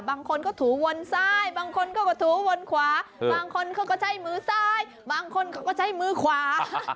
บางคนก็ถูวนซ้ายบางคนเขาก็ถูวนขวาบางคนเขาก็ใช้มือซ้ายบางคนเขาก็ใช้มือขวา